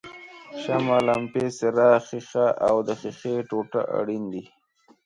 شمع، لمپې څراغ ښيښه او د ښیښې ټوټه اړین دي.